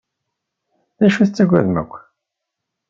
D acu i tettagadem akk?